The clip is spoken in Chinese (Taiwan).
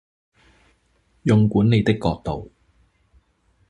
用管理的角度